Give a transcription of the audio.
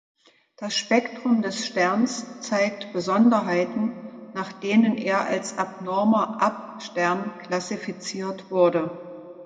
Das Spektrum des Sterns zeigt Besonderheiten, nach denen er als abnormer Ap-Stern klassifiziert wurde.